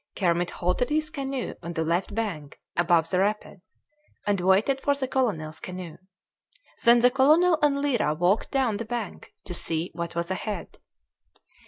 Kermit halted his canoe on the left bank, above the rapids, and waited for the colonel's canoe. Then the colonel and Lyra walked down the bank to see what was ahead.